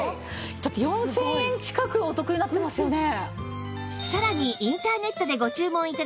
だって４０００円近くお得になってますよね？